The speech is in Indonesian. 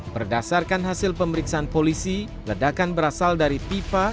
berdasarkan hasil pemeriksaan polisi ledakan berasal dari pipa